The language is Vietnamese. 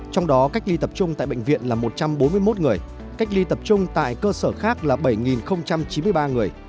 trong đó cách ly tập trung tại bệnh viện là một trăm bốn mươi một người cách ly tập trung tại cơ sở khác là bảy chín mươi ba người